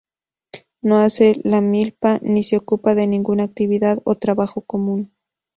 No hace la milpa ni se ocupa de ninguna actividad o trabajo común.